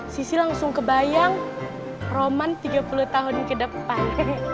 sisi langsung kebayang roman tiga puluh tahun ke depan